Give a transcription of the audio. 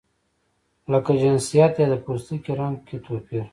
لکه جنسیت یا د پوستکي رنګ کې توپیر.